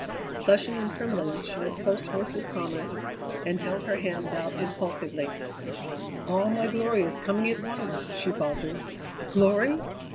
Flushing and trembling, she went close to Mrs. Thomas and held her hands out impulsively. "All my glory is coming at once!" she faltered. "Glory?